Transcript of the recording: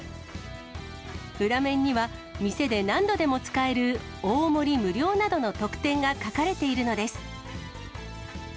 裏面には店で何度でも使える大盛り無料などの特典が書かれているのです。